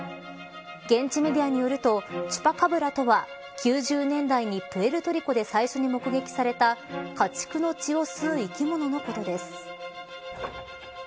現地メディアによるとチュパカブラとは９０年代にプエルトリコで最初に目撃された家畜の血を吸う生き物のことです。